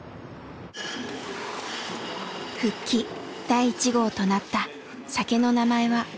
復帰第１号となった酒の名前は。